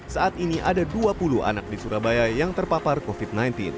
saat ini ada dua puluh anak di surabaya yang terpapar covid sembilan belas